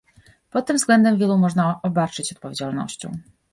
Pod tym względem wielu można obarczyć odpowiedzialnością